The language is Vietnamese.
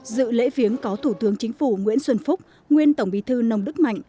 dự lễ viếng có thủ tướng chính phủ nguyễn xuân phúc nguyên tổng bí thư nông đức mạnh